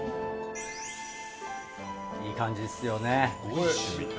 いい感じですよね。